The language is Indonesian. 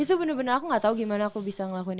itu bener bener aku gak tau gimana aku bisa ngelakuin